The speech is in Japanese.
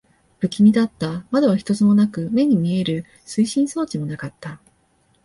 不気味だった。窓は一つもなく、目に見える推進装置もなかった。